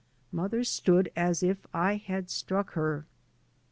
" Mother stood as if I had struck her.